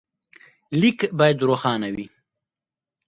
لیک باید روښانه وي.